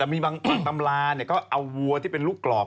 แต่มีบางตำราก็เอาวัวที่เป็นลูกกรอก